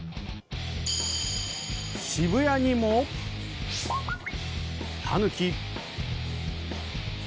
渋谷にもタヌキ。